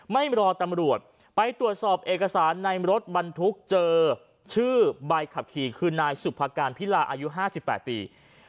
ไม่รอตำรวจไปตรวจสอบเอกสารในรถบรรทุกเจอชื่อใบขับขี่คือนายสุภาการพิลาอายุ๕๘ปี